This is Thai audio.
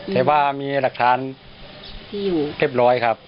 แต่ว่ามีหลักฐานที่อยู่เรียบร้อยครับ